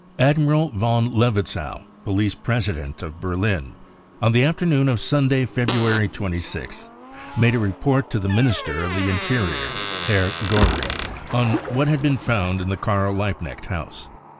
" Admiral von Levetzow, police president of Berlin, on tffe afternoon of* Sunday, February 26th, made a report to the Minister of the Interior, Hgrr Goering, on what had been found in the Karl Liebknecht House.